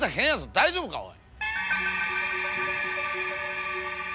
大丈夫かおい。